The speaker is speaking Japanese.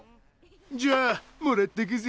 じゃあもらっとくぜ。